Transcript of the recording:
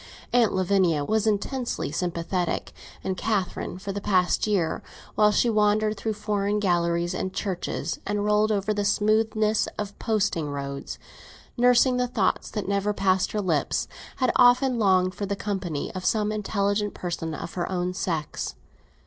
Aunt Lavinia was intensely sympathetic, and Catherine, for the past year, while she wandered through foreign galleries and churches, and rolled over the smoothness of posting roads, nursing the thoughts that never passed her lips, had often longed for the company of some intelligent person of her own sex.